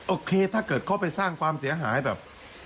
ถ้าเกิดเขาไปสร้างความเสียหายแบบ